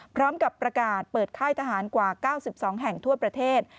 พร้อมกับประกาศเปิดค่ายทหารกว่า๙๒แห่งทั่วประเทศ